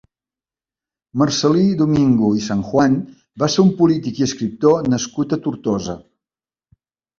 Marcel·lí Domingo i Sanjuan va ser un polític i escriptor nascut a Tortosa.